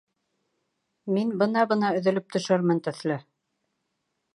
Мин бына-бына өҙөлөп төшөрмөн төҫлө.